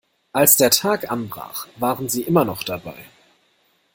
Als der Tag anbrach waren sie immer noch dabei.